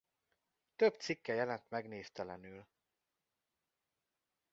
Több cikke jelent meg névtelenül.